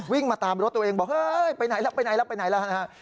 วิ่งมาตามรถตัวเองบอกไปไหนล่ะไปไหนล่ะ